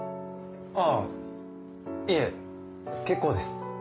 あぁいえ結構です。